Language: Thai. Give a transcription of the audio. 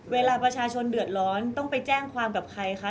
เวลาประชาชนเดือดร้อนต้องไปแจ้งความกับใครคะ